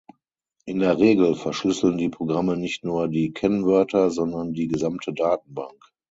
In der Regel verschlüsseln die Programme nicht nur die Kennwörter, sondern die gesamte Datenbank.